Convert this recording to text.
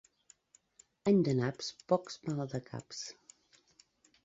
Any de naps, pocs maldecaps.